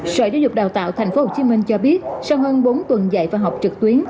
sở giáo dục đào tạo tp hcm cho biết sau hơn bốn tuần dạy và học trực tuyến